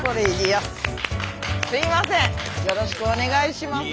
よろしくお願いします。